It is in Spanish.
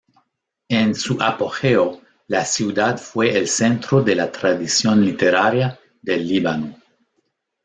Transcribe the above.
En su apogeo, la ciudad fue el centro de la tradición literaria del Líbano.